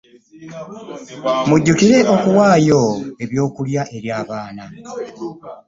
Mujjukire okuwaayo ebyokulya eri abaana.